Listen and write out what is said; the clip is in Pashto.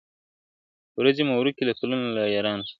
ورځي مو ورکي له ګلونو له یارانو سره !.